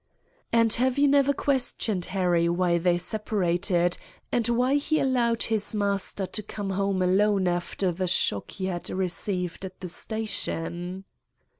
"And have you never questioned Harry why they separated and why he allowed his master to come home alone after the shock he had received at the station?"